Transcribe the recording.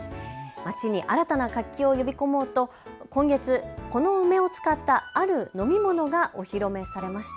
町に新たな活気を呼び込もうと今月、この梅を使ったある飲み物がお披露目されました。